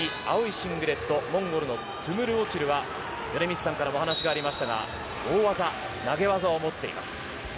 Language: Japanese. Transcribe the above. シングレットモンゴルのトゥムル・オチルは米満さんからもお話がありましたが大技、投げ技を持っています。